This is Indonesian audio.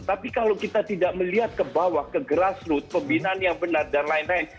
tapi kalau kita tidak melihat ke bawah ke grassroot pembinaan yang benar dan lain lain